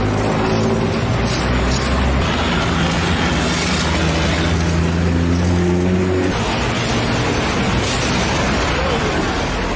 โปรดติดตามตอนต่อไป